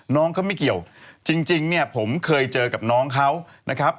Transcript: น้องเขาไม่เกี่ยวจริงเนี่ยผมเคยเจอกับน้องเขานะครับ